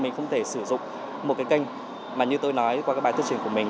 mình không thể sử dụng một cái kênh mà như tôi nói qua cái bài tuyên truyền của mình